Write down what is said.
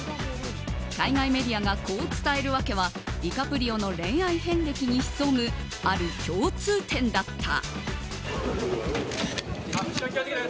海外メディアがこう伝える訳はディカプリオの恋愛遍歴に潜むある共通点だった。